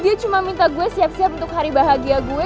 dia cuma minta gue siap siap untuk hari bahagia gue